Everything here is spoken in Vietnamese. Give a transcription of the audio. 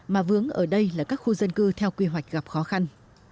mà vướng ở đây là các khu dân cư theo quy hoạch gặp khó khăn